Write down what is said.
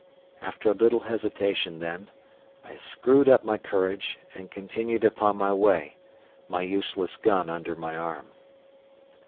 After a little hesitation, then, I screwed up my courage and continued upon my way, my useless gun under my arm.